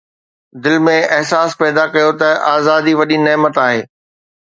دل ۾ احساس پيدا ڪيو ته آزادي وڏي نعمت آهي